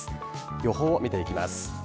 予報を見ていきます。